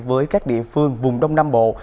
với các địa phương vùng đông nam bộ